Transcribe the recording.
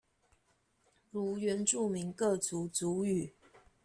如原住民各族族語